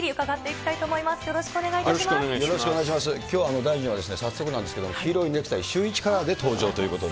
きょうは大臣は、早速なんですけれども、黄色のネクタイ、シューイチカラーで登場ということで。